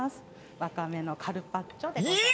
ワカメのカルパッチョでございます。